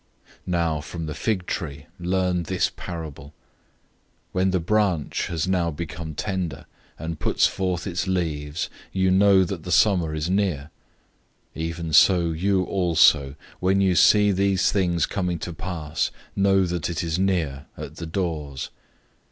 013:028 "Now from the fig tree, learn this parable. When the branch has now become tender, and puts forth its leaves, you know that the summer is near; 013:029 even so you also, when you see these things coming to pass, know that it is near, at the doors.